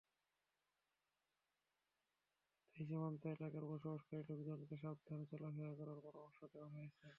তাই সীমান্ত এলাকায় বসবাসকারী লোকজনকে সাবধানে চলাফেরা করার পরামর্শ দেওয়া হয়েছে।